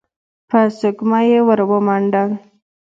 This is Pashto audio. په سږمه يې ور ومنډل.